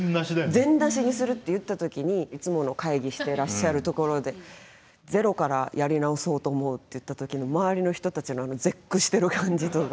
全なしにするって言った時にいつもの会議してらっしゃるところで「ゼロからやり直そうと思う」って言った時の周りの人たちのあの絶句してる感じとか。